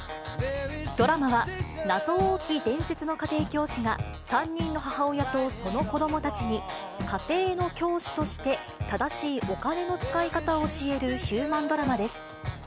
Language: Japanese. ドラマは、謎多き伝説の家庭教師が、３人の母親とその子どもたちに、家庭の教師として、正しいお金の使い方を教えるヒューマンドラマです。